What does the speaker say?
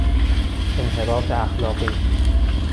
انحراف اخلاقی